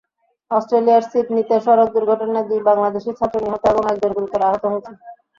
অস্ট্রেলিয়ার সিডনিতে সড়ক দুর্ঘটনায় দুই বাংলাদেশি ছাত্র নিহত এবং একজন গুরুতর আহত হয়েছেন।